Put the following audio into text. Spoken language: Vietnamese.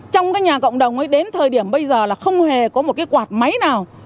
trong cái nhà cộng đồng ấy đến thời điểm bây giờ là không hề có một cái quạt máy nào